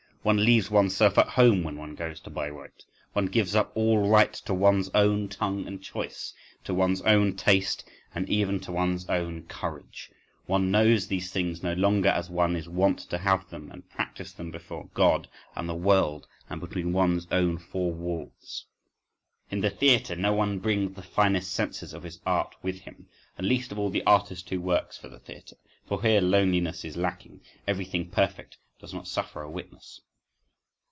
One leaves oneself at home when one goes to Bayreuth, one gives up all right to one's own tongue and choice, to one's own taste and even to one's own courage, one knows these things no longer as one is wont to have them and practise them before God and the world and between one's own four walls. In the theatre no one brings the finest senses of his art with him, and least of all the artist who works for the theatre,—for here loneliness is lacking; everything perfect does not suffer a witness.